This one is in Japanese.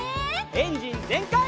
エンジンぜんかい！